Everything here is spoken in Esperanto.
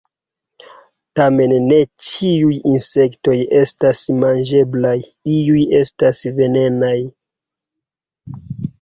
Tamen ne ĉiuj insektoj estas manĝeblaj, iuj estas venenaj.